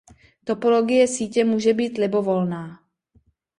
Topologie sítě může být libovolná.